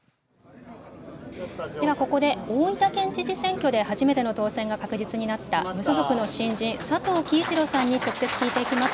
ではここで、大分県知事選挙で、初めての当選が確実になりました無所属の新人、佐藤樹一郎さんに直接聞いていきます。